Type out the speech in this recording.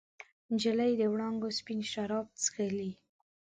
نجلۍ د وړانګو سپین شراب چښلي